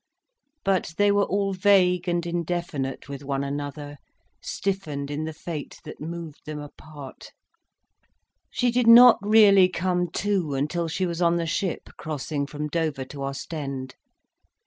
But they were all vague and indefinite with one another, stiffened in the fate that moved them apart. She did not really come to until she was on the ship crossing from Dover to Ostend.